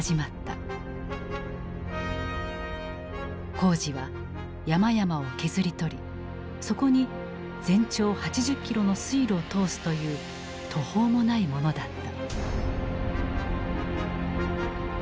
工事は山々を削り取りそこに全長８０キロの水路を通すという途方もないものだった。